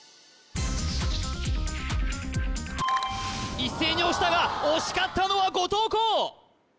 一斉に押したが押し勝ったのは後藤弘